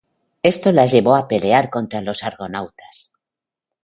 Esto las llevó a pelear contra los Argonautas.